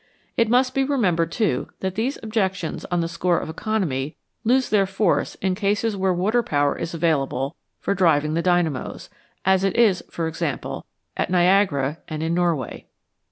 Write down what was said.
It must be remembered too, that these objec tions on the score of economy lose their force in cases where water power is available for driving the dynamos, as it is, for example, at Niagara and in Norway.